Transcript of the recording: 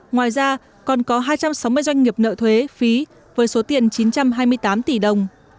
ngoài ra còn có hai trăm sáu mươi doanh nghiệp nợ thuế phí với số tiền chín trăm hai mươi tám tỷ đồng